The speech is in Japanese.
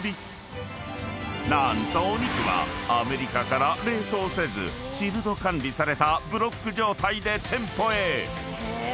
［何とお肉はアメリカから冷凍せずチルド管理されたブロック状態で店舗へ］